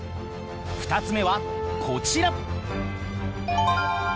２つ目はこちら！